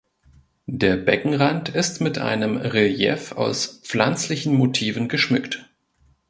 Der Beckenrand ist mit einem Relief aus pflanzlichen Motiven geschmückt.